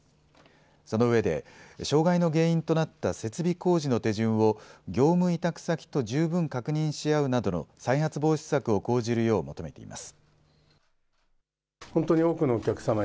そのうえで障害の原因となった設備工事の手順を業務委託先と十分確認し合うなどの再発防止策を講じるよう求めています。